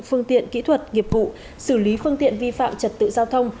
phương tiện kỹ thuật nghiệp vụ xử lý phương tiện vi phạm trật tự giao thông